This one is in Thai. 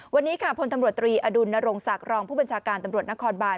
วันนี้ค่ะพลตำรวจตรีอดุลนรงศักดิ์รองผู้บัญชาการตำรวจนครบาน